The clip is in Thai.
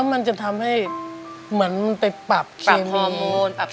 สามีก็ต้องพาเราไปขับรถเล่นดูแลเราเป็นอย่างดีตลอดสี่ปีที่ผ่านมา